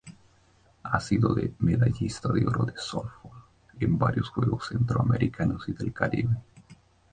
Ha sido medallista oro de sóftbol en varios Juegos Centroamericanos y del Caribe.